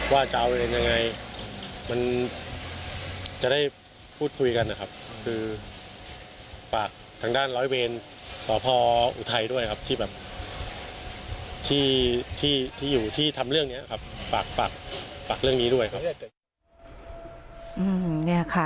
ว่าจะเอาไปเรียนยังไง